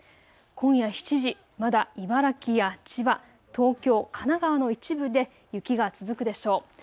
今夜７時、まだ茨城や千葉、東京、神奈川の一部で雪が続くでしょう。